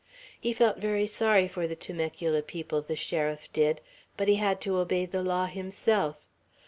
He felt very sorry for the Temecula people, the sheriff did; but he had to obey the law himself.